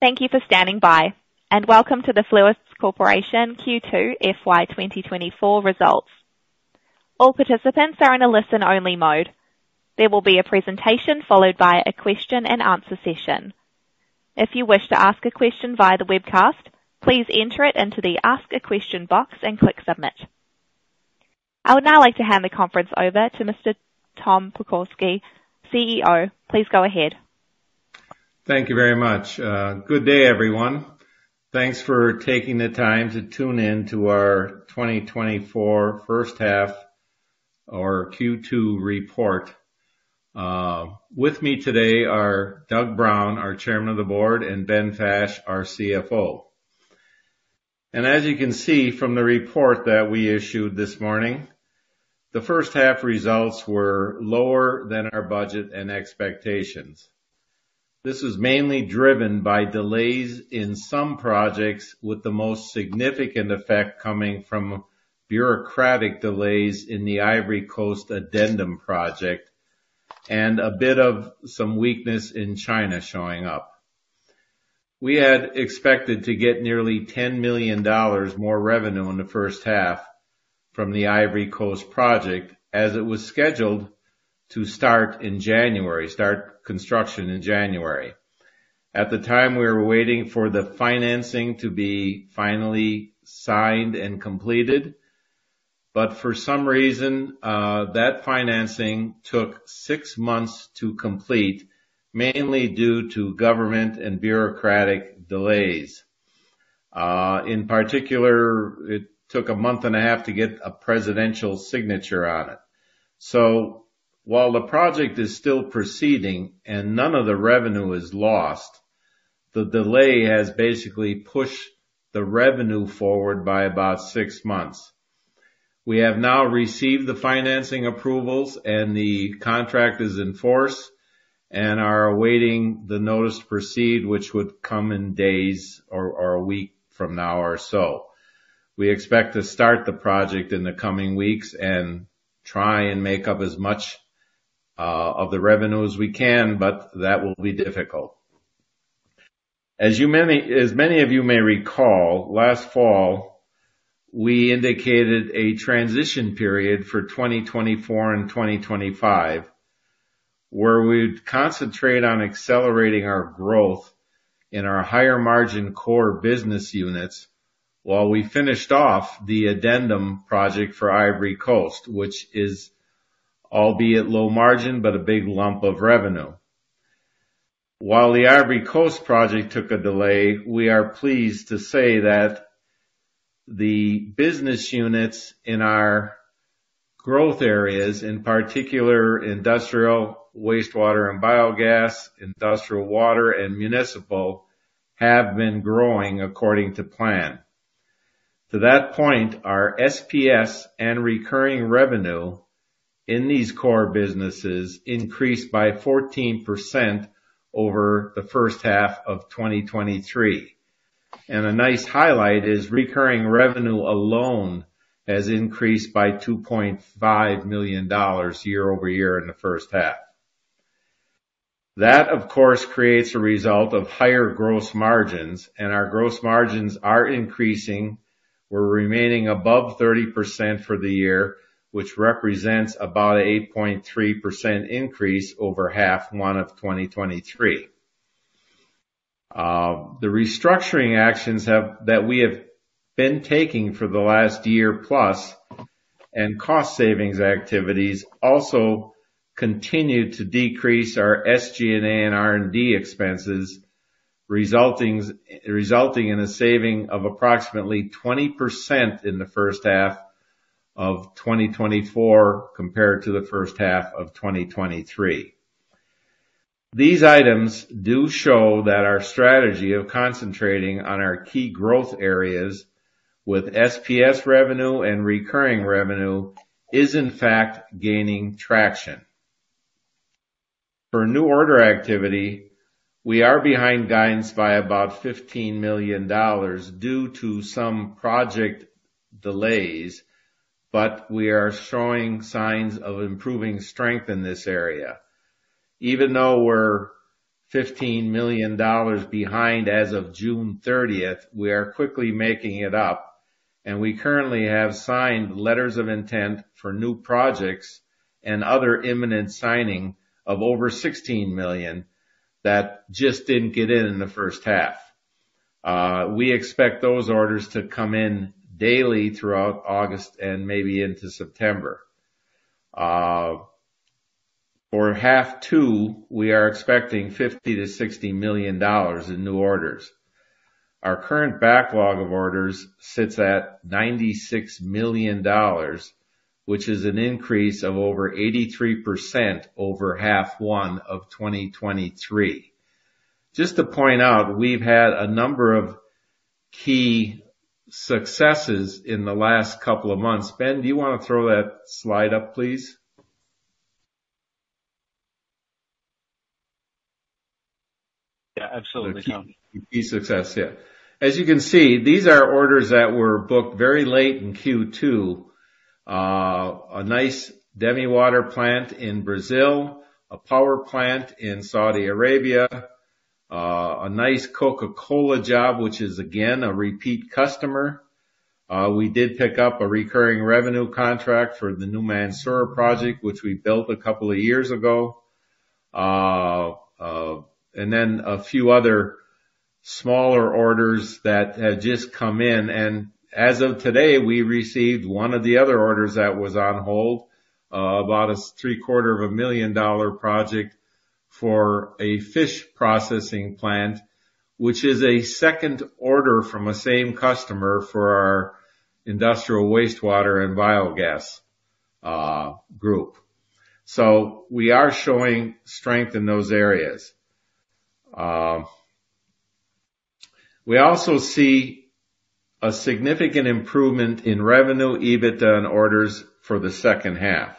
Thank you for standing by, and welcome to the Fluence Corporation Q2 FY 2024 results. All participants are in a listen-only mode. There will be a presentation followed by a question-and-answer session. If you wish to ask a question via the webcast, please enter it into the Ask a Question box and click Submit. I would now like to hand the conference over to Mr. Tom Pokorsky, CEO. Please go ahead. Thank you very much. Good day, everyone. Thanks for taking the time to tune in to our 2024 first half, or Q2, report. With me today are Doug Brown, our Chairman of the Board, and Ben Fash, our CFO. And as you can see from the report that we issued this morning, the first half results were lower than our budget and expectations. This is mainly driven by delays in some projects, with the most significant effect coming from bureaucratic delays in the Ivory Coast Addendum project and a bit of some weakness in China showing up. We had expected to get nearly $10 million more revenue in the first half from the Ivory Coast project, as it was scheduled to start in January, start construction in January. At the time, we were waiting for the financing to be finally signed and completed, but for some reason, that financing took 6 months to complete, mainly due to government and bureaucratic delays. In particular, it took a month and a half to get a presidential signature on it. So while the project is still proceeding and none of the revenue is lost, the delay has basically pushed the revenue forward by about 6 months. We have now received the financing approvals, and the contract is in force, and are awaiting the notice to proceed, which would come in days or a week from now or so. We expect to start the project in the coming weeks and try and make up as much of the revenue as we can, but that will be difficult. As many of you may recall, last fall, we indicated a transition period for 2024 and 2025, where we'd concentrate on accelerating our growth in our higher-margin core business units while we finished off the addendum project for Ivory Coast, which is albeit low-margin but a big lump of revenue. While the Ivory Coast project took a delay, we are pleased to say that the business units in our growth areas, in particular industrial wastewater and biogas, industrial water, and municipal, have been growing according to plan. To that point, our SPS and recurring revenue in these core businesses increased by 14% over the first half of 2023. A nice highlight is recurring revenue alone has increased by $2.5 million year-over-year in the first half. That, of course, creates a result of higher gross margins, and our gross margins are increasing. We're remaining above 30% for the year, which represents about an 8.3% increase over first half of 2023. The restructuring actions that we have been taking for the last year plus and cost savings activities also continue to decrease our SG&A and R&D expenses, resulting in a saving of approximately 20% in the first half of 2024 compared to the first half of 2023. These items do show that our strategy of concentrating on our key growth areas with SPS revenue and recurring revenue is, in fact, gaining traction. For new order activity, we are behind guidance by about $15 million due to some project delays, but we are showing signs of improving strength in this area. Even though we're $15 million behind as of June 30th, we are quickly making it up, and we currently have signed letters of intent for new projects and other imminent signing of over $16 million that just didn't get in in the first half. We expect those orders to come in daily throughout August and maybe into September. For half two, we are expecting $50-$60 million in new orders. Our current backlog of orders sits at $96 million, which is an increase of over 83% over half one of 2023. Just to point out, we've had a number of key successes in the last couple of months. Ben, do you want to throw that slide up, please? Yeah, absolutely. Key success, yeah. As you can see, these are orders that were booked very late in Q2: a nice demi-water plant in Brazil, a power plant in Saudi Arabia, a nice Coca-Cola job, which is, again, a repeat customer. We did pick up a recurring revenue contract for the New Mansoura project, which we built a couple of years ago, and then a few other smaller orders that had just come in. And as of today, we received one of the other orders that was on hold, about a $750,000 project for a fish processing plant, which is a second order from the same customer for our industrial wastewater and biogas group. So we are showing strength in those areas. We also see a significant improvement in revenue, EBITDA, and orders for the second half.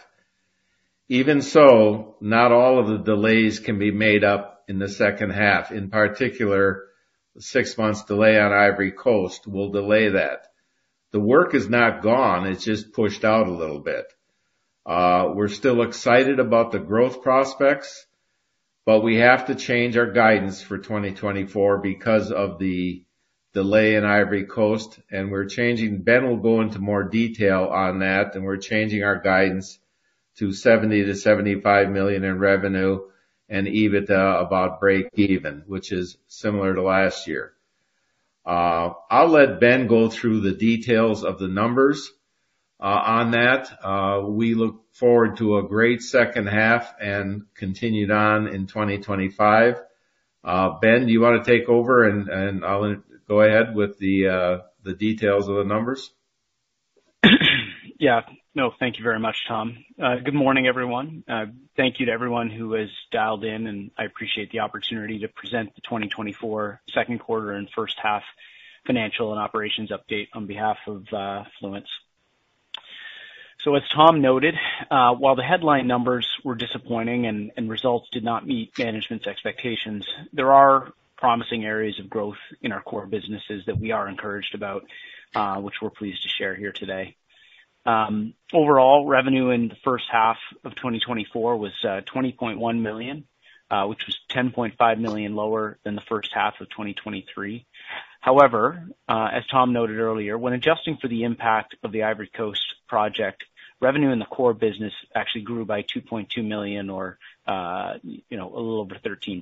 Even so, not all of the delays can be made up in the second half. In particular, the six-month delay on Ivory Coast will delay that. The work is not gone. It's just pushed out a little bit. We're still excited about the growth prospects, but we have to change our guidance for 2024 because of the delay in Ivory Coast, and we're changing, Ben will go into more detail on that, and we're changing our guidance to $70 million-$75 million in revenue and EBITDA about break-even, which is similar to last year. I'll let Ben go through the details of the numbers on that. We look forward to a great second half and continued on in 2025. Ben, do you want to take over, and I'll go ahead with the details of the numbers? Yeah. No, thank you very much, Tom. Good morning, everyone. Thank you to everyone who has dialed in, and I appreciate the opportunity to present the 2024 second quarter and first half financial and operations update on behalf of Fluence. So as Tom noted, while the headline numbers were disappointing and results did not meet management's expectations, there are promising areas of growth in our core businesses that we are encouraged about, which we're pleased to share here today. Overall, revenue in the first half of 2024 was $20.1 million, which was $10.5 million lower than the first half of 2023. However, as Tom noted earlier, when adjusting for the impact of the Ivory Coast project, revenue in the core business actually grew by $2.2 million or a little over 13%.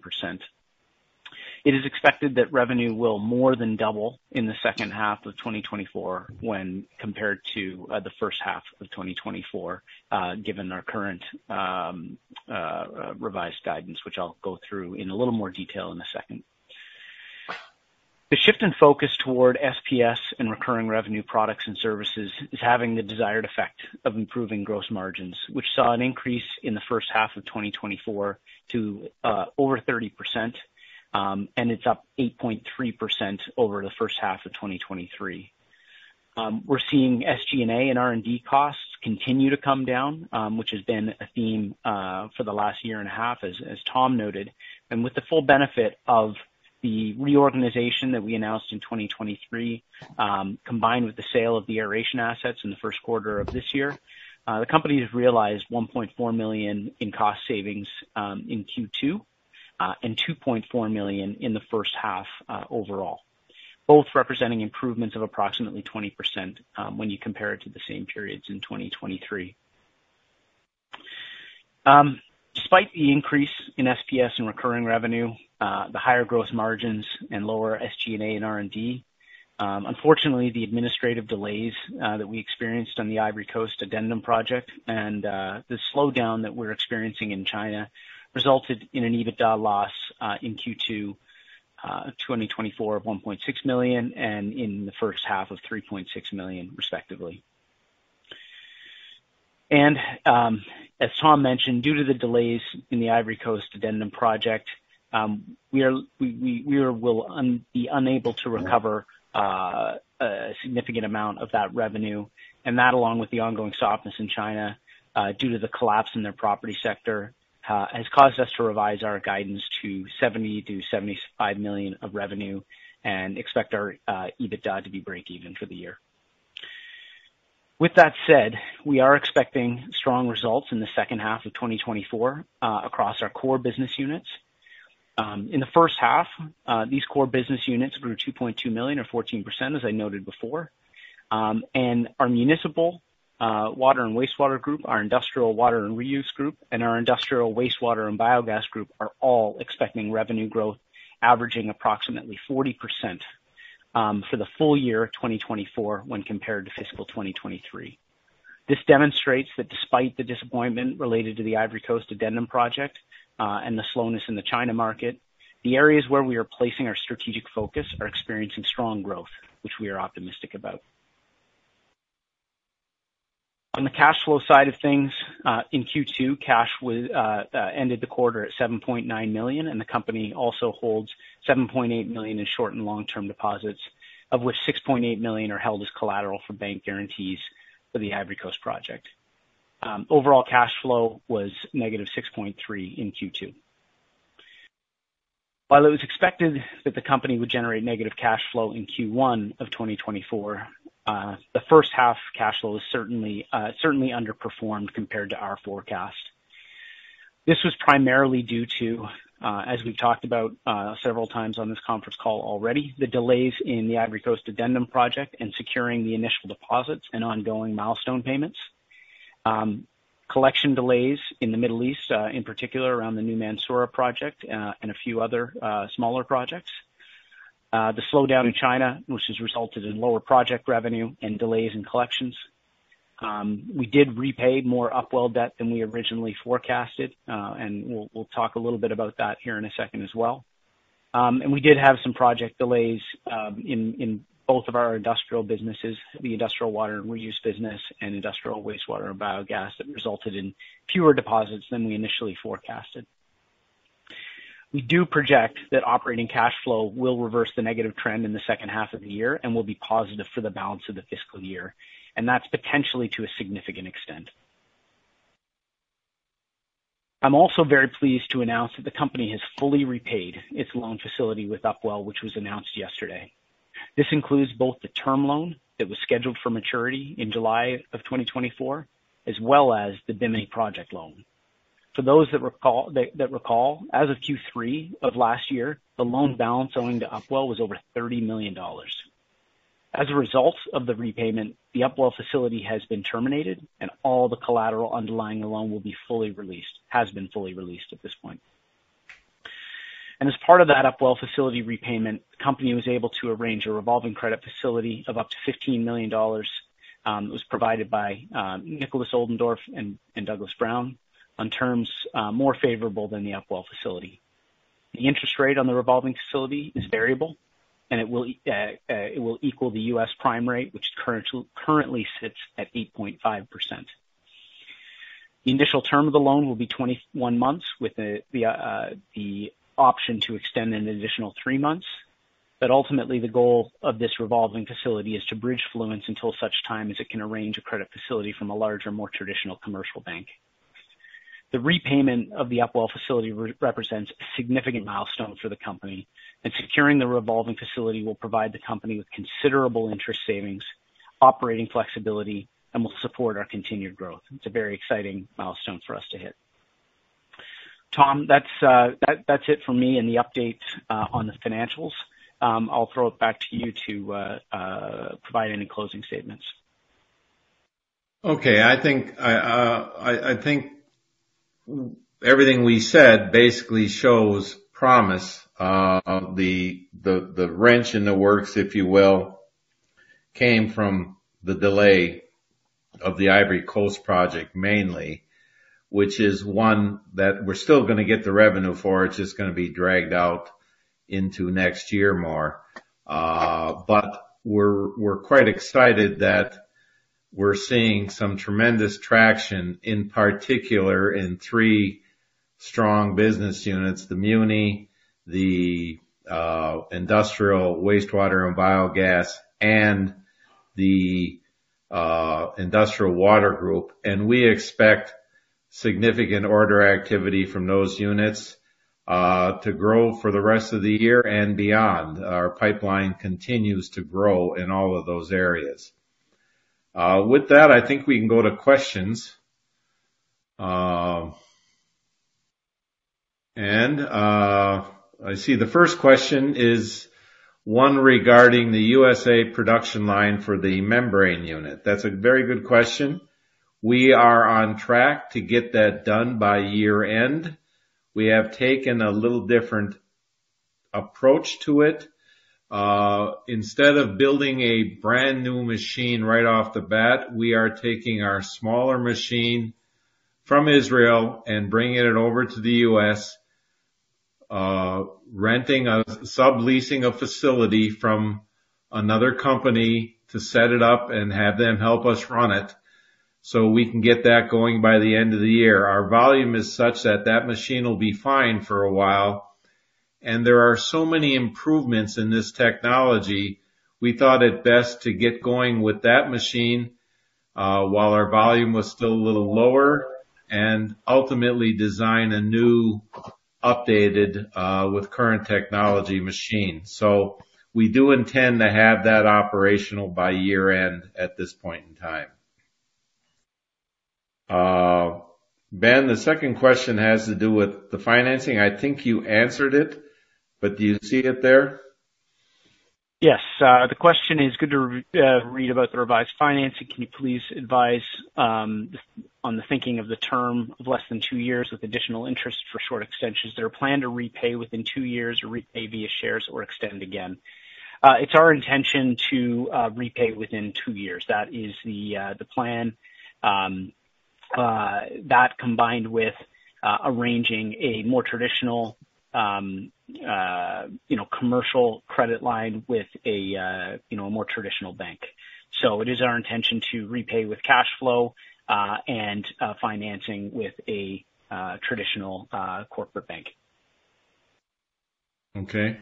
It is expected that revenue will more than double in the second half of 2024 when compared to the first half of 2024, given our current revised guidance, which I'll go through in a little more detail in a second. The shift in focus toward SPS and recurring revenue products and services is having the desired effect of improving gross margins, which saw an increase in the first half of 2024 to over 30%, and it's up 8.3% over the first half of 2023. We're seeing SG&A and R&D costs continue to come down, which has been a theme for the last year and a half, as Tom noted, and with the full benefit of the reorganization that we announced in 2023, combined with the sale of the aeration assets in the first quarter of this year, the company has realized $1.4 million in cost savings in Q2 and $2.4 million in the first half overall, both representing improvements of approximately 20% when you compare it to the same periods in 2023. Despite the increase in SPS and recurring revenue, the higher gross margins, and lower SG&A and R&D, unfortunately, the administrative delays that we experienced on the Ivory Coast Addendum project and the slowdown that we're experiencing in China resulted in an EBITDA loss in Q2 2024 of $1.6 million and in the first half of $3.6 million, respectively. As Tom mentioned, due to the delays in the Ivory Coast Addendum project, we will be unable to recover a significant amount of that revenue, and that, along with the ongoing softness in China due to the collapse in their property sector, has caused us to revise our guidance to $70-$75 million of revenue and expect our EBITDA to be break-even for the year. With that said, we are expecting strong results in the second half of 2024 across our core business units. In the first half, these core business units grew $2.2 million, or 14%, as I noted before. Our municipal water and wastewater group, our industrial water and reuse group, and our industrial wastewater and biogas group are all expecting revenue growth averaging approximately 40% for the full year 2024 when compared to fiscal 2023. This demonstrates that despite the disappointment related to the Ivory Coast Addendum project and the slowness in the China market, the areas where we are placing our strategic focus are experiencing strong growth, which we are optimistic about. On the cash flow side of things, in Q2, cash ended the quarter at $7.9 million, and the company also holds $7.8 million in short and long-term deposits, of which $6.8 million are held as collateral for bank guarantees for the Ivory Coast project. Overall cash flow was negative $6.3 million in Q2. While it was expected that the company would generate negative cash flow in Q1 of 2024, the first half cash flow was certainly underperformed compared to our forecast. This was primarily due to, as we've talked about several times on this conference call already, the delays in the Ivory Coast Addendum project and securing the initial deposits and ongoing milestone payments, collection delays in the Middle East, in particular around the New Mansoura project and a few other smaller projects, the slowdown in China, which has resulted in lower project revenue and delays in collections. We did repay more Upwell debt than we originally forecasted, and we'll talk a little bit about that here in a second as well. We did have some project delays in both of our industrial businesses, the industrial water and reuse business and industrial wastewater and biogas, that resulted in fewer deposits than we initially forecasted. We do project that operating cash flow will reverse the negative trend in the second half of the year and will be positive for the balance of the fiscal year, and that's potentially to a significant extent. I'm also very pleased to announce that the company has fully repaid its loan facility with Upwell, which was announced yesterday. This includes both the term loan that was scheduled for maturity in July of 2024, as well as the Bimini project loan. For those that recall, as of Q3 of last year, the loan balance owing to Upwell was over $30 million. As a result of the repayment, the Upwell facility has been terminated, and all the collateral underlying the loan will be fully released, has been fully released at this point. As part of that Upwell facility repayment, the company was able to arrange a revolving credit facility of up to $15 million. It was provided by Nikolaus Oldendorff and Douglas Brown on terms more favorable than the Upwell facility. The interest rate on the revolving facility is variable, and it will equal the U.S. prime rate, which currently sits at 8.5%. The initial term of the loan will be 21 months, with the option to extend an additional three months. But ultimately, the goal of this revolving facility is to bridge Fluence until such time as it can arrange a credit facility from a larger, more traditional commercial bank. The repayment of the Upwell facility represents a significant milestone for the company, and securing the revolving facility will provide the company with considerable interest savings, operating flexibility, and will support our continued growth. It's a very exciting milestone for us to hit. Tom, that's it for me and the updates on the financials. I'll throw it back to you to provide any closing statements. Okay. I think everything we said basically shows promise. The wrench in the works, if you will, came from the delay of the Ivory Coast project mainly, which is one that we're still going to get the revenue for. It's just going to be dragged out into next year more. But we're quite excited that we're seeing some tremendous traction, in particular in three strong business units: the Muni, the industrial wastewater and biogas, and the industrial water group. And we expect significant order activity from those units to grow for the rest of the year and beyond. Our pipeline continues to grow in all of those areas. With that, I think we can go to questions. And I see the first question is one regarding the USA production line for the membrane unit. That's a very good question. We are on track to get that done by year-end. We have taken a little different approach to it. Instead of building a brand new machine right off the bat, we are taking our smaller machine from Israel and bringing it over to the US, subleasing a facility from another company to set it up and have them help us run it so we can get that going by the end of the year. Our volume is such that that machine will be fine for a while, and there are so many improvements in this technology. We thought it best to get going with that machine while our volume was still a little lower and ultimately design a new, updated, with current technology machine. So we do intend to have that operational by year-end at this point in time. Ben, the second question has to do with the financing. I think you answered it, but do you see it there? Yes. The question is, "Good to read about the revised financing. Can you please advise on the thinking of the term of less than two years with additional interest for short extensions? Is there a plan to repay within two years or repay via shares or extend again?" It's our intention to repay within two years. That is the plan, that combined with arranging a more traditional commercial credit line with a more traditional bank. So it is our intention to repay with cash flow and financing with a traditional corporate bank. Okay.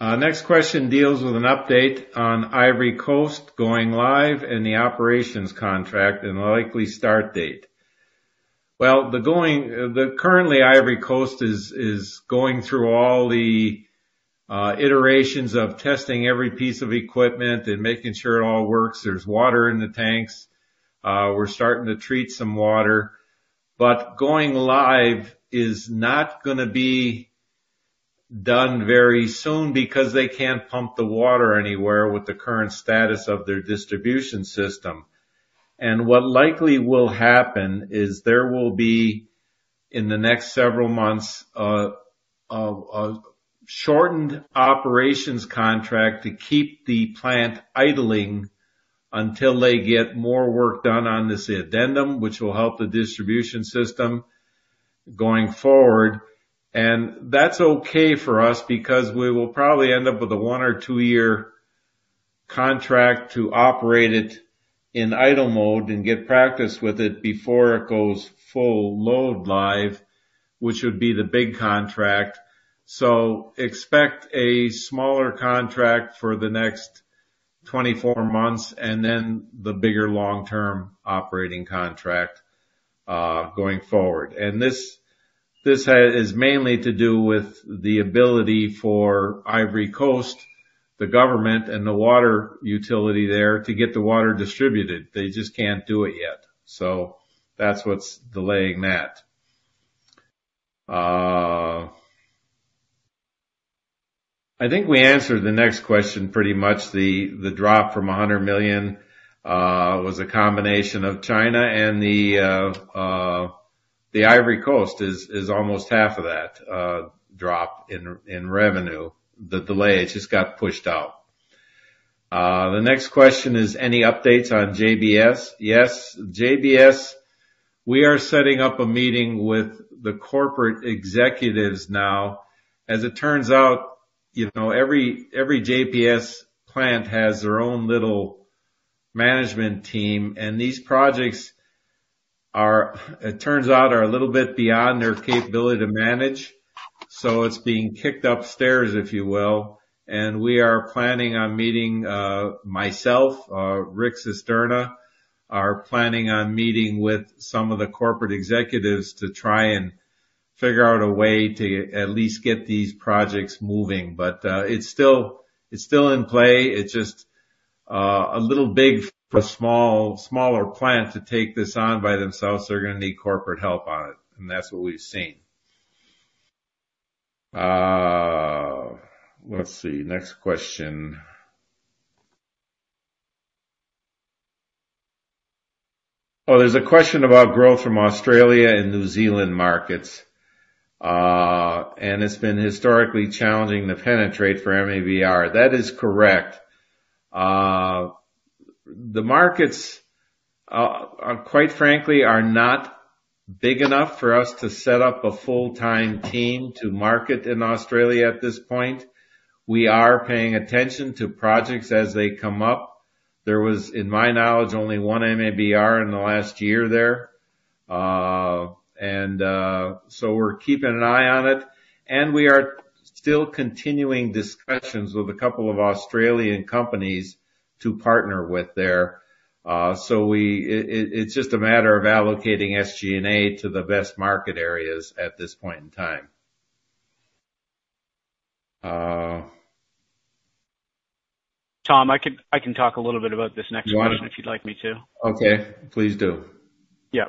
Next question deals with an update on Ivory Coast going live and the operations contract and the likely start date. Well, currently, Ivory Coast is going through all the iterations of testing every piece of equipment and making sure it all works. There's water in the tanks. We're starting to treat some water. But going live is not going to be done very soon because they can't pump the water anywhere with the current status of their distribution system. And what likely will happen is there will be, in the next several months, a shortened operations contract to keep the plant idling until they get more work done on this addendum, which will help the distribution system going forward. That's okay for us because we will probably end up with a one or two-year contract to operate it in idle mode and get practice with it before it goes full load live, which would be the big contract. Expect a smaller contract for the next 24 months and then the bigger long-term operating contract going forward. This is mainly to do with the ability for Ivory Coast, the government, and the water utility there to get the water distributed. They just can't do it yet. That's what's delaying that. I think we answered the next question pretty much. The drop from $100 million was a combination of China and the Ivory Coast, which is almost half of that drop in revenue. The delay, it just got pushed out. The next question is, "Any updates on JBS?" Yes. JBS, we are setting up a meeting with the corporate executives now. As it turns out, every JBS plant has their own little management team, and these projects, it turns out, are a little bit beyond their capability to manage. So it's being kicked upstairs, if you will. And we are planning on meeting myself, Rick Cisterna, are planning on meeting with some of the corporate executives to try and figure out a way to at least get these projects moving. But it's still in play. It's just a little big for a smaller plant to take this on by themselves. They're going to need corporate help on it, and that's what we've seen. Let's see. Next question. Oh, there's a question about growth from Australia and New Zealand markets, and it's been historically challenging to penetrate for MABR. That is correct. The markets, quite frankly, are not big enough for us to set up a full-time team to market in Australia at this point. We are paying attention to projects as they come up. There was, in my knowledge, only one MABR in the last year there. And so we're keeping an eye on it. And we are still continuing discussions with a couple of Australian companies to partner with there. So it's just a matter of allocating SG&A to the best market areas at this point in time. Tom, I can talk a little bit about this next question if you'd like me to. Okay. Please do. Yeah.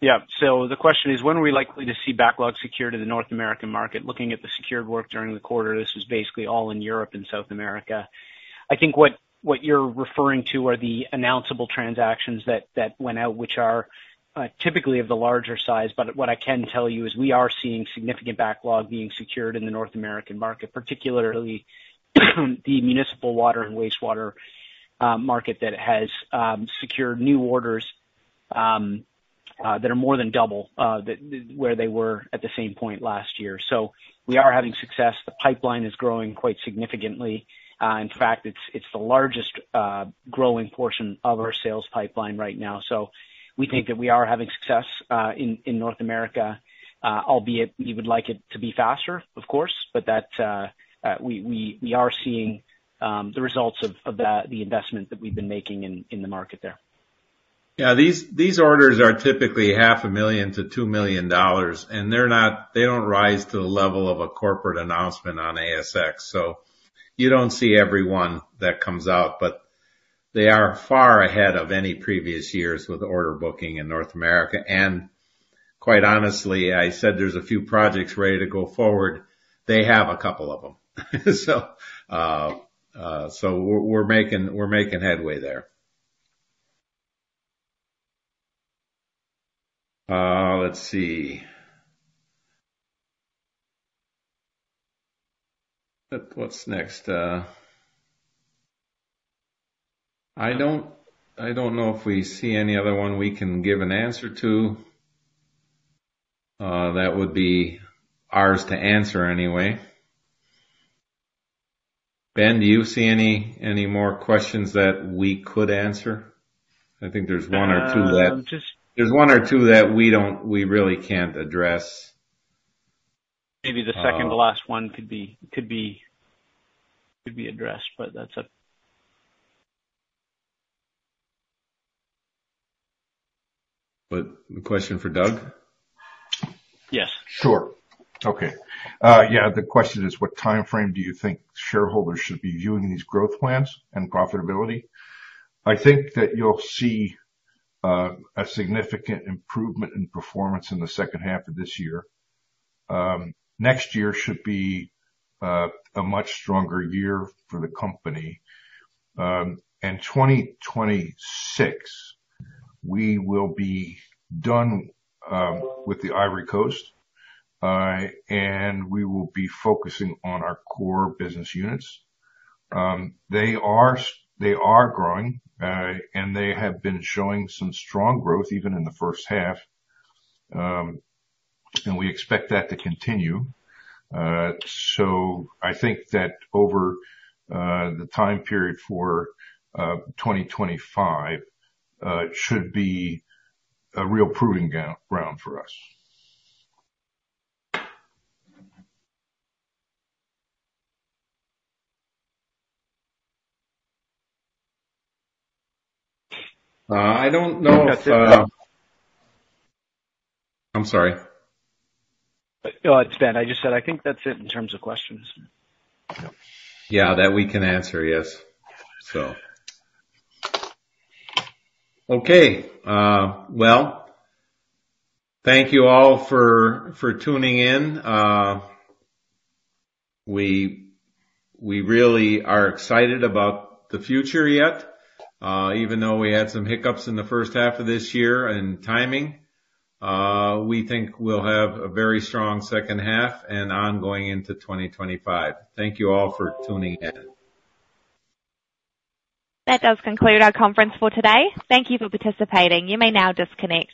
Yeah. So the question is, "When are we likely to see backlog secured in the North American market?" Looking at the secured work during the quarter, this was basically all in Europe and South America. I think what you're referring to are the announceable transactions that went out, which are typically of the larger size. But what I can tell you is we are seeing significant backlog being secured in the North American market, particularly the municipal water and wastewater market that has secured new orders that are more than double where they were at the same point last year. So we are having success. The pipeline is growing quite significantly. In fact, it's the largest growing portion of our sales pipeline right now. We think that we are having success in North America, albeit we would like it to be faster, of course, but we are seeing the results of the investment that we've been making in the market there. Yeah. These orders are typically $500,000-$2 million, and they don't rise to the level of a corporate announcement on ASX. So you don't see every one that comes out, but they are far ahead of any previous years with order booking in North America. And quite honestly, I said there's a few projects ready to go forward. They have a couple of them. So we're making headway there. Let's see. What's next? I don't know if we see any other one we can give an answer to. That would be ours to answer anyway. Ben, do you see any more questions that we could answer? I think there's one or two that there's one or two that we really can't address. Maybe the second to last one could be addressed, but that's up. But the question for Doug? Yes. Sure. Okay. Yeah. The question is, "What timeframe do you think shareholders should be viewing these growth plans and profitability?" I think that you'll see a significant improvement in performance in the second half of this year. Next year should be a much stronger year for the company. And 2026, we will be done with the Ivory Coast, and we will be focusing on our core business units. They are growing, and they have been showing some strong growth even in the first half, and we expect that to continue. So I think that over the time period for 2025 should be a real proving ground for us. I don't know if I'm sorry. Oh, it's Ben. I just said I think that's it in terms of questions. Yeah. That we can answer, yes. Okay. Well, thank you all for tuning in. We really are excited about the future, yet. Even though we had some hiccups in the first half of this year and timing, we think we'll have a very strong second half and ongoing into 2025. Thank you all for tuning in. That does conclude our conference for today. Thank you for participating. You may now disconnect.